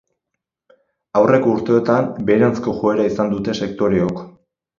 Aurreko urteotan beheranzko joera izan dute sektoreok.